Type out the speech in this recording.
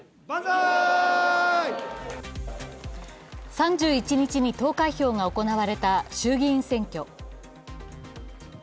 ３１日に投開票が行われた衆議院選挙。